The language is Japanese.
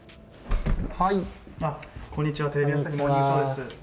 こんにちはテレビ朝日「モーニングショー」です。